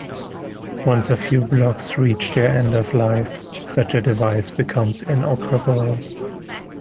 Once a few blocks reach their end of life, such a device becomes inoperable.